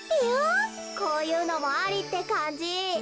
こういうのもありってかんじ。